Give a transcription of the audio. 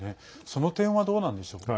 その点はどうなんでしょうか。